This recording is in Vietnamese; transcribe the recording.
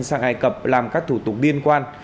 sang ai cập làm các thủ tục liên quan